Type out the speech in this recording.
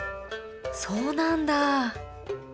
そうなんだ